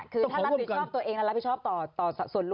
คือถ้ารับผิดชอบตัวเองนั้นรับผิดชอบต่อส่วนรวม